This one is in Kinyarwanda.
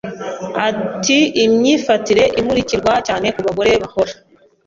Afite imyifatire imurikirwa cyane ku bagore bakora.